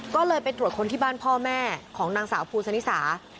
ก็เลยไปตรวจคนที่บ้านพ่อแม่ของนางสาวภูสนิสา